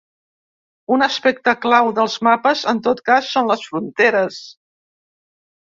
Un aspecte clau dels mapes, en tot cas, són les fronteres.